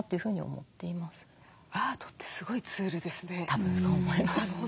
アートってすごいツールですね。